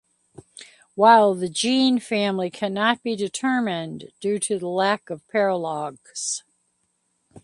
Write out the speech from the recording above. While the gene family cannot be determined due to the lack of paralogs.